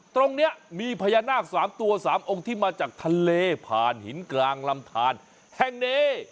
ตรงนี้มีพญานาค๓ตัว๓องค์ที่มาจากทะเลผ่านหินกลางลำทานแห่งนี้